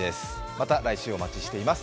また来週お待ちしています。